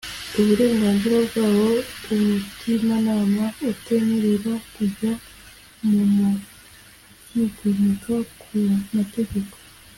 Uburenganzira bw abo umutimanama utemerera kujya mumukigomeka ku mategeko